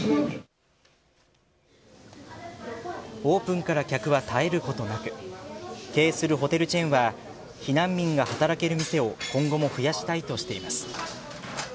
オープンから客は絶えることなく経営するホテルチェーンは避難民が働ける店を今後も増やしたいとしています。